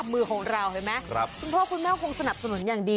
เพราะคุณพ่อคุณแม่คงสนับสนุนอย่างดี